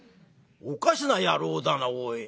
おかしな野郎だなおい。